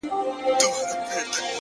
• قلندر پر کرامت باندي پښېمان سو,